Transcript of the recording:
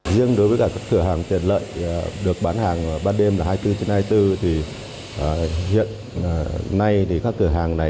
riêng đối với các cửa hàng tiền lợi được bán hàng ba đêm là hai mươi bốn trên hai mươi bốn thì hiện nay các cửa hàng này